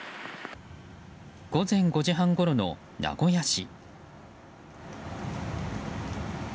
午前５時半ごろの名古屋市。